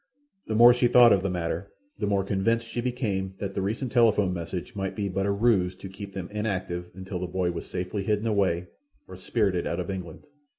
The more she thought of the matter, the more convinced she became that the recent telephone message might be but a ruse to keep them inactive until the boy was safely hidden away or spirited out of England.